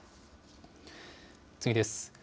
次です。